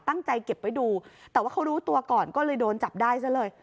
เก็บไว้ดูแต่ว่าเขารู้ตัวก่อนก็เลยโดนจับได้ซะเลย